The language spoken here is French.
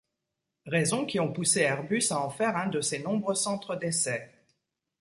Raisons qui ont poussé Airbus à en faire un de ses nombreux centre d'essais.